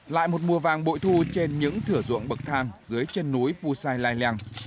lại một mùa vàng bội thu trên những thửa ruộng bậc thang dưới chân núi pusai lai lèng